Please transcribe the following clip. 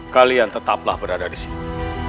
kalian tetaplah berada disini